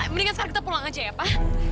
mendingan sekarang kita pulang aja ya pak